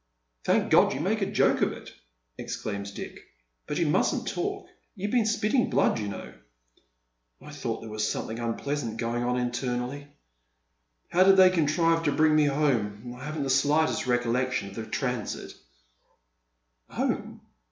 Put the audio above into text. " Thank God you can make a joke of it," exclaims Dick. " But you mustn't talk. You've been spitting blood, you know." " I thought tliere was something unpleasant going on internally. How did they contrive to bring me home? I haven't the sligiitest recollection of the transit" '• Home